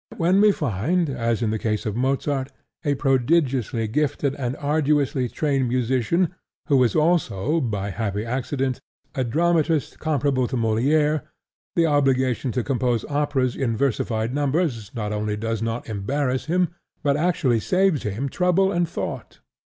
When we find, as in the case of Mozart, a prodigiously gifted and arduously trained musician who is also, by a happy accident, a dramatist comparable to Moliere, the obligation to compose operas in versified numbers not only does not embarrass him, but actually saves him trouble and thought.